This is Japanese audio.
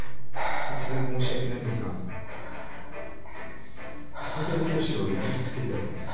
突然申し訳ないんですが家庭教師をやめさせていただきます。